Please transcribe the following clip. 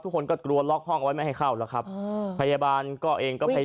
ทุกคนก็กลัวล็อกห้องไว้ไม่ให้เข้าแล้วครับอืมพยาบาลก็เองก็พยายาม